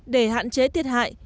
để hạn chế thiệt hại